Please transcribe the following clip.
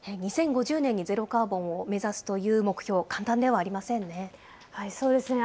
２０５０年にゼロカーボンを目指すという目標、簡単ではありませそうですね。